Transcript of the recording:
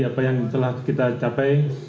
apa yang telah kita capai